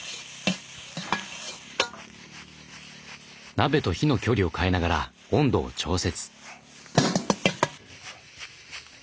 鍋と火の距離を変えながら温度を調節。